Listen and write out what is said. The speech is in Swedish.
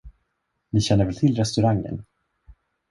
Ni känner väl till restaurangen?